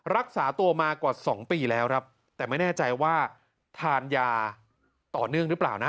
รักษาตัวมากว่า๒ปีแล้วครับแต่ไม่แน่ใจว่าทานยาต่อเนื่องหรือเปล่านะ